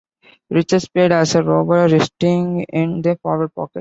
Richards played as a rover, resting in the forward pocket.